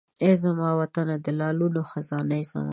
ای زما وطنه د لعلونو خزانې زما!